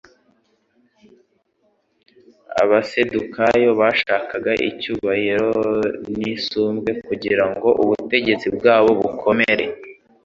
Abasadukayo bashakaga icyubahiro n'isumbwe kugira ngo ubutegetsi bwabo bukomere.